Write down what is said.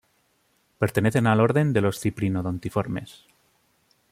Pertenecen al orden de los ciprinodontiformes.